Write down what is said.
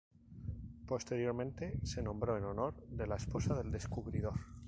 Posteriormente, se nombró en honor de la esposa del descubridor.